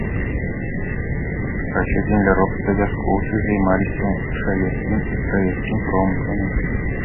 Апрача земляробства вяскоўцы займаліся шавецкім і кравецкім промысламі.